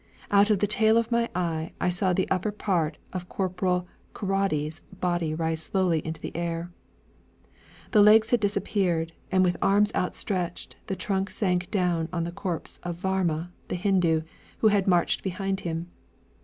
Out of the tail of my eye I saw the upper part of Corporal Keraudy's body rise slowly into the air. The legs had disappeared, and with arms outstretched the trunk sank down on the corpse of Varma, the Hindu, who had marched behind him.